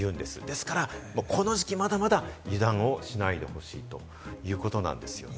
ですから、この時期まだまだ油断をしないでほしいということなんですよね。